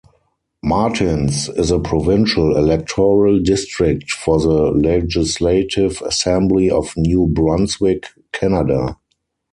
Martins is a provincial electoral district for the Legislative Assembly of New Brunswick, Canada.